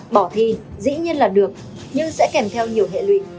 bỏ thi dĩ nhiên là được nhưng sẽ kèm theo nhiều hệ lụy